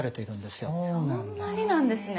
そんなになんですね。